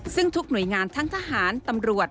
ซึ่งทุกหน่วยงานทั้งทหารตำรวจ